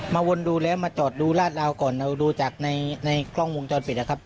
วนดูแล้วมาจอดดูลาดราวก่อนเราดูจากในกล้องวงจรปิดนะครับ